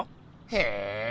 へえ！